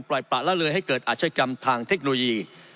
ประละเลยให้เกิดอาชกรรมทางเทคโนโลยี